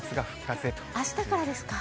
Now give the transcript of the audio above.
あしたからですか。